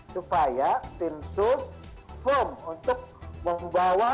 supaya timsus firm untuk membawa